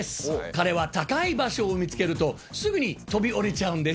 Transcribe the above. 彼は高い場所を見つけるとすぐに飛び降りちゃうんです。